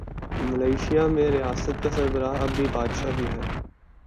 Malaysia میں ریاست کا سربراہ اب بھی بادشاہ ہی ہے۔